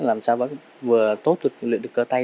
làm sao vừa tốt luyện được cơ tay